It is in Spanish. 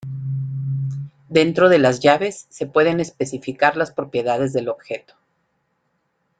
Dentro de las llaves se pueden especificar las propiedades del objeto.